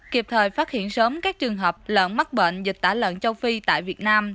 kịp thời phát hiện sớm các trường hợp lợn mắc bệnh dịch tả lợn châu phi tại việt nam